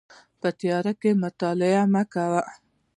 په تیاره کې مطالعه مه کوئ